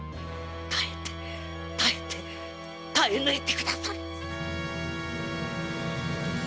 耐えて耐えて耐え抜いてくだされ！